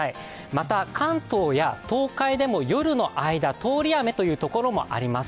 また、関東や東海でも夜の間通り雨という所もあります。